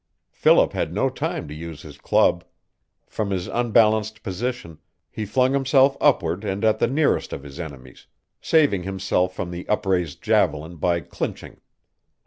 Philip had no time to use his club. From his unbalanced position he flung himself upward and at the nearest of his enemies, saving himself from the upraised javelin by clinching.